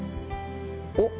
おっ！